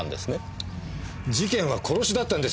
事件は殺しだったんですよ。